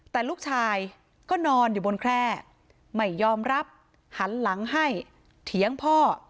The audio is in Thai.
แต่ลูกชายก็นอนอยู่บนแคร่ไม่ยอมรับหันหลังให้เถียงพ่อ